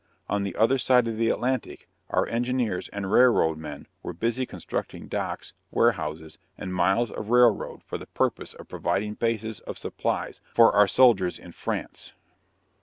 On the other side of the Atlantic, our engineers and railroad men were busy constructing docks, warehouses, and miles of railroad for the purpose of providing bases of supplies for our soldiers in France.